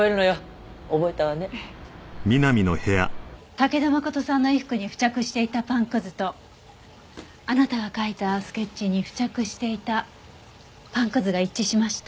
武田誠さんの衣服に付着していたパンくずとあなたが描いたスケッチに付着していたパンくずが一致しました。